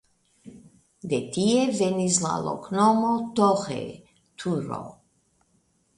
De tie venis la loknomo "Torre" (turo).